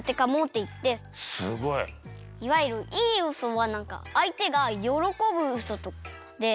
すごい。いわゆるいいウソはなんかあいてがよろこぶウソとかで。